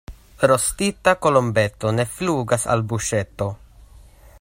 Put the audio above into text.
Rostita kolombeto ne flugas al buŝeto.